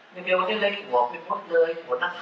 ไม่เป็นว่าได้เลยหัวไม่พบเลยหัวนักข่าว